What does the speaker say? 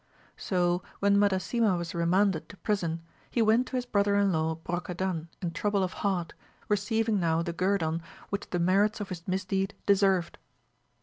So when Madasima was remanded to prison he went to his brother in law Brocadan in trouble of heart, receiving now the guerdon which the merits of his misdeed deserved.